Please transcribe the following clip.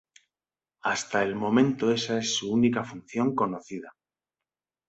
Hasta el momento esa es su única función conocida.